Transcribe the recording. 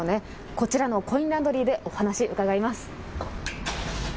こちらのコインランドリーでお話、伺います。